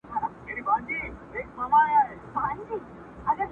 نور به د پانوس له رنګینیه ګیله نه کوم؛